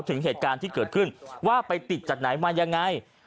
ถึงเหตุการณ์ที่เกิดขึ้นว่าไปติดจากไหนมายังไง